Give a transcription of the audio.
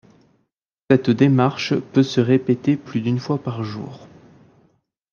Cette démarche peut se répéter plus d’une fois par jour.